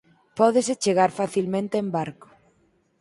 Pódese chegar facilmente en barco.